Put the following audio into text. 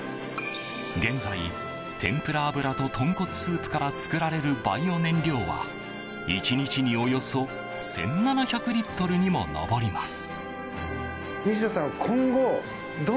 現在、天ぷら油と豚骨スープから作られるバイオ燃料は１日におよそ１７００リットルにも上ります。